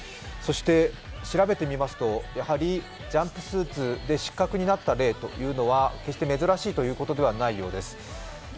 そして調べてみますと、やはりジャンプスーツで失格になった例というのは決して珍しいということではないようです